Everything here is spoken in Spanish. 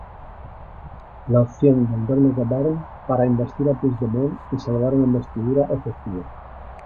La opción del ‘doble Govern’ para investir a Puigdemont y salvar una investidura efectiva.